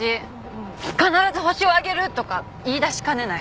「必ずホシを挙げる！」とか言い出しかねない。